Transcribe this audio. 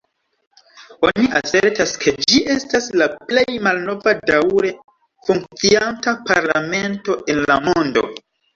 Oni asertas, ke ĝi estas la plej malnova daŭre funkcianta parlamento en la mondo.